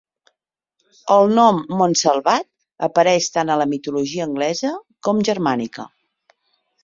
El nom Montsalvat apareix tant a la mitologia anglesa com germànica.